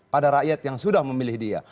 pada rakyat yang sudah memilih dia